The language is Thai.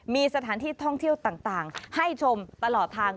มีสถานที่ท่องเที่ยวต่างให้ชมตลอดทาง